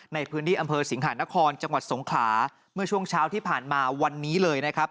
ในพื้นที่อำเภอสิงหานครจังหวัดสงขลาเมื่อช่วงเช้าที่ผ่านมาวันนี้เลยนะครับ